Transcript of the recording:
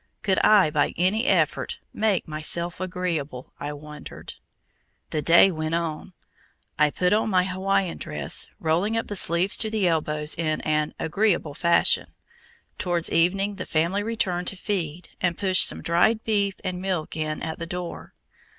Could I by any effort "make myself agreeable"? I wondered. The day went on. I put on my Hawaiian dress, rolling up the sleeves to the elbows in an "agreeable" fashion. Towards evening the family returned to feed, and pushed some dried beef and milk in at the door.